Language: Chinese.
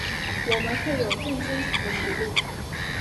我们会有更坚强的实力